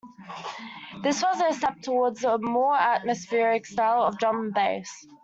This was their step towards a more atmospheric style of drum and bass.